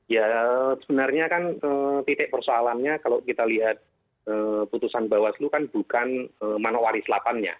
ya sebenarnya kan titik persoalannya kalau kita lihat putusan bawaslu kan bukan manowari selatannya